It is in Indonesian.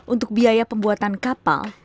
untuk biaya pembuatan kapal